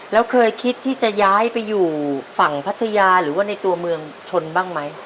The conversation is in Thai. แล้วเคยคิดที่จะย้ายไปอยู่ฝั่งพัทยาหรือว่าในตัวเมืองชนบ้างไหม